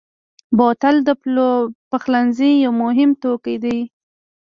بوتل د پخلنځي یو مهم توکی دی.